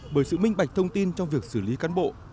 bởi sự minh bạch thông tin trong việc xử lý cán bộ